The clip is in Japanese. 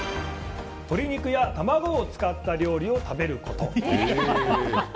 鶏肉や卵を使った料理を食べること。